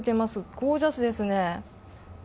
ゴージャスですね。